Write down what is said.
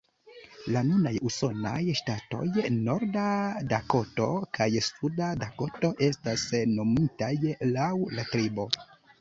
La nunaj usonaj ŝtatoj Norda Dakoto kaj Suda Dakoto estas nomitaj laŭ la tribo.